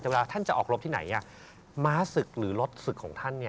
แต่เวลาท่านจะออกรบที่ไหนม้าศึกหรือรถศึกของท่าน